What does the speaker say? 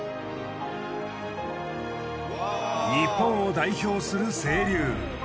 日本を代表する清流。